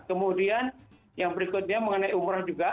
kemudian yang berikutnya mengenai umroh juga